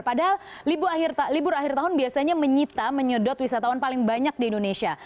padahal libur akhir tahun biasanya menyita menyedot wisatawan paling banyak di indonesia